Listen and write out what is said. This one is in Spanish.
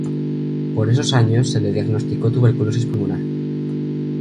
Por esos años se le diagnosticó tuberculosis pulmonar.